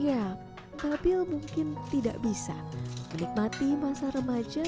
ya habil mungkin tidak bisa menikmati masa remaja